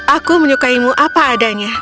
aku menyukaimu apa adanya